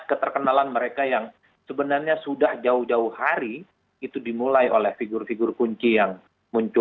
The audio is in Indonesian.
keterkenalan mereka yang sebenarnya sudah jauh jauh hari itu dimulai oleh figur figur kunci yang muncul